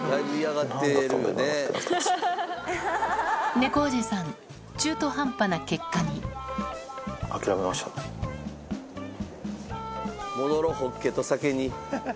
猫おじさん中途半端な結果に戻ろうほっけと酒に。